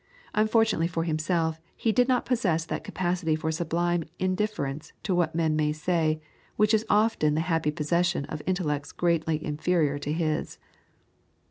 Unfortunately for himself, he did not possess that capacity for sublime indifference to what men may say, which is often the happy possession of intellects greatly inferior to his.